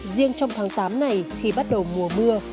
riêng trong tháng tám này khi bắt đầu mùa mưa